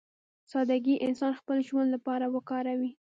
سادهګي انسان خپل ژوند لپاره وکاروي.